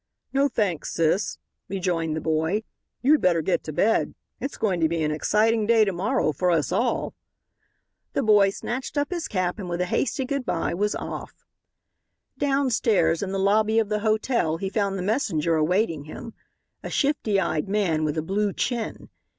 "No, thanks, sis," rejoined the boy; "you'd better get to bed. It's going to be an exciting day to morrow for us all." The boy snatched up his cap and with a hasty good bye, was off. Downstairs in the lobby of the hotel he found the messenger awaiting him, a shifty eyed man with a blue chin.